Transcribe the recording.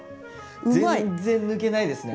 全然抜けないですね。